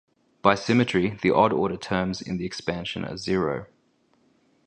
By symmetry, the odd-order terms in the expansion are zero.